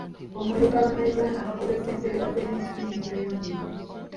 Omuwendo gwa Bannayunganda abakozesa empeereza z'ebyensimbi gweyongedde.